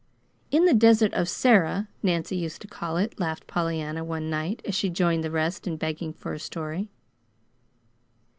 "In the 'Desert of Sarah,' Nancy used to call it," laughed Pollyanna one night, as she joined the rest in begging for a story.